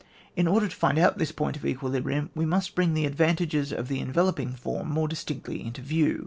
In order to find out this point of equilibrium, we must bring the advan tages of the enveloping form more dis tinctly into view.